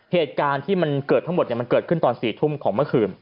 เหตุการณ์ที่มันเกิดทั้งหมดมันเกิดขึ้นตอน๔ทุ่มของเมื่อคืน